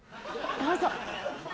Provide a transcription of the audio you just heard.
どうぞ。